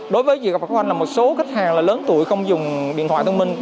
đối với chị gặp khó khăn là một số khách hàng lớn tuổi không dùng điện thoại thông minh